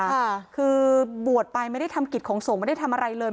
ค่ะคือบวชไปไม่ได้ทำกิจของสงฆ์ไม่ได้ทำอะไรเลย